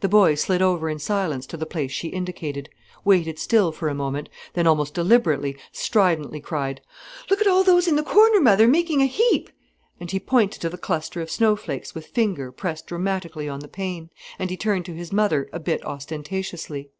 The boy slid over in silence to the place she indicated, waited still for a moment, then almost deliberately, stridently cried: "Look at all those in the corner, mother, making a heap," and he pointed to the cluster of snowflakes with finger pressed dramatically on the pane, and he turned to his mother a bit ostentatiously.